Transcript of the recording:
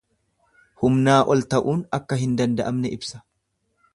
Humnaa ol ta'uun akka hin danda'amne ibsa.